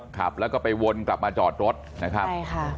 ขับแล้วก็ไปวนกลับมาจอดรถนะครับใช่ค่ะ